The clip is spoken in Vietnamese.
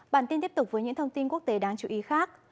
bản tin tiếp tục với những thông tin quốc tế đáng chú ý khác